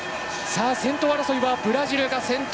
先頭争いはブラジルが先頭。